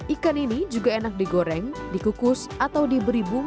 ikan ini juga enak digoreng dikukus atau diberi bunga